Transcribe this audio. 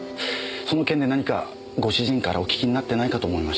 その件で何かご主人からお聞きになってないかと思いまして。